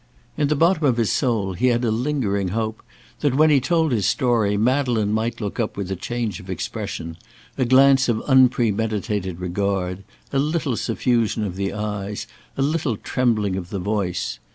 In the bottom of his soul, he had a lingering hope that when he told his story, Madeleine might look up with a change of expression, a glance of unpremeditated regard, a little suffusion of the eyes, a little trembling of the voice.